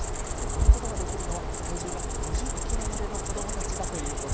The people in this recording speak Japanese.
乗ることができるのは体重が２０キロまでの子どもたちだというこ